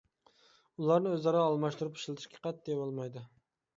ئۇلارنى ئۆزئارا ئالماشتۇرۇپ ئىشلىتىشكە قەتئىي بولمايدۇ.